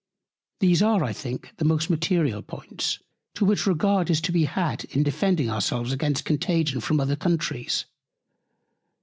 These are, I think, the most material Points, to which Regard is to be had in defending ourselves against Contagion from other Countries.